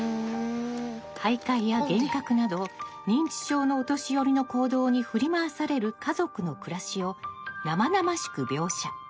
徘徊や幻覚など認知症のお年寄りの行動に振り回される家族の暮らしを生々しく描写。